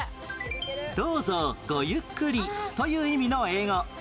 「どうぞごゆっくり」という意味の英語